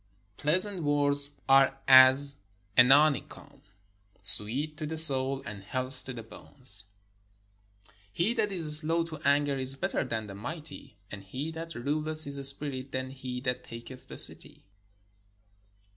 Pleasant words are as an honeycomb, sweet to the soul, and health to the bones. He that is slow to anger is better than the mighty; and he that ruleth his spirit than he that taketh a city.